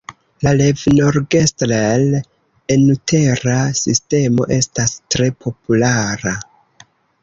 La "levnorgestrel"-enutera sistemo estas tre populara.